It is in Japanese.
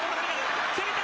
攻めた。